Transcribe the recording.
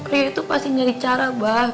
rio itu pasti nyari cara bah